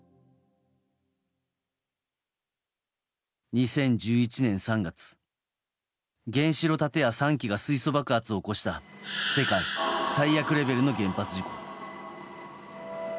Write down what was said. ２０１１年３月原子炉建屋３基が水素爆発を起こした世界最悪レベルの原発事故。